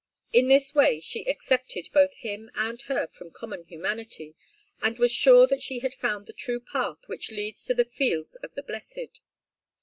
In this way she excepted both him and her from common humanity, and was sure that she had found the true path which leads to the fields of the blessed.